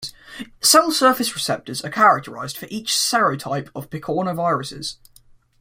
Cell surface receptors are characterized for each serotype of picornaviruses.